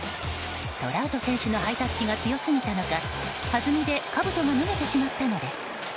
トラウト選手のハイタッチが強すぎたのかはずみでかぶとが脱げてしまったのです。